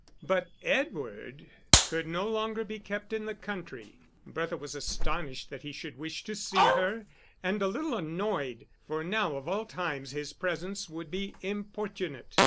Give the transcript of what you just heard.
But Edward could no longer be kept in the country. Bertha was astonished that he should wish to see her, and a little annoyed, for now of all times his presence would be importunate.